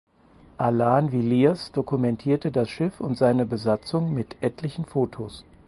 Alan Villiers dokumentierte das Schiff und seine Besatzung mit etlichen Fotos.